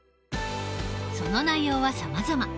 その内容はさまざま。